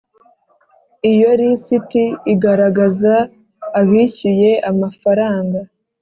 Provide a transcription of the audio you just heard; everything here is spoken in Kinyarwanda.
iyo lisiti igaragaza abishyuye amafaranga